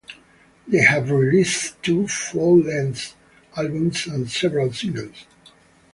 They have released two full-length albums and several singles.